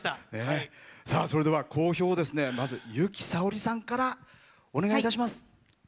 それでは講評をまず由紀さおりさんからお願いいたします。